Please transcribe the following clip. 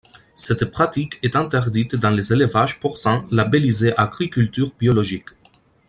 Cette pratique est interdite dans les élevages porcins labellisés agriculture biologique.